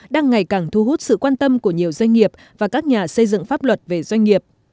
đang ngày càng thu hút sự quan tâm của nhiều doanh nghiệp và các nhà xây dựng pháp luật về doanh nghiệp